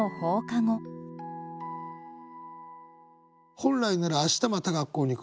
本来なら明日また学校に来る。